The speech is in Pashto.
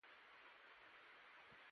موټر د سړک پر غاړه ودرید.